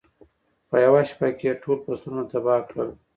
په یوه شپه کې یې ټول فصلونه تباه کړل.